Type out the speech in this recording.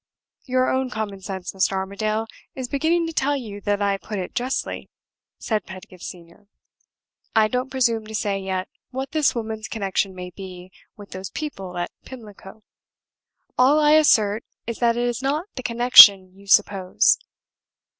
"Your own common sense, Mr. Armadale, is beginning to tell you that I put it justly," said Pedgift Senior. "I don't presume to say yet what this woman's connection may be with those people at Pimlico. All I assert is that it is not the connection you suppose.